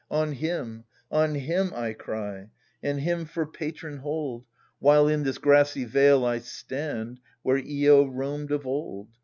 Jk On him, on him I cry, And him for patron hold — 7^ While in this grassy vale I stand, WhereQ^ioamed of old